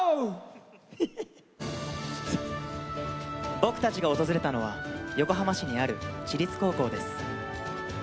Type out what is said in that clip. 僕たちが訪れたのは横浜市にある私立高校です。